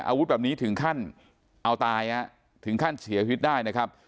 อาวุธแบบนี้ถึงขั้นเอาตายถึงขั้นเสียชีวิตได้นะครับ